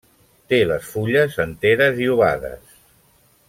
Té les fulles enteres i ovades.